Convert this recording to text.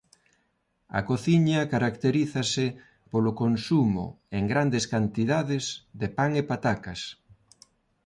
A cociña caracterízase polo consumo en grandes cantidades de pan e patacas.